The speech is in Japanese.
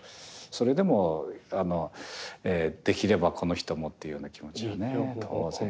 それでも「できればこの人も」というような気持ちがね当然。